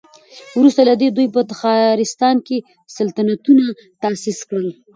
وروسته له دې دوی په تخارستان کې سلطنتونه تاسيس کړل